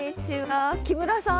木村さん？